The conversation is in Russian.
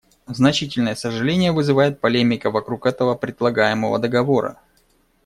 Значительное сожаление вызывает полемика вокруг этого предлагаемого договора.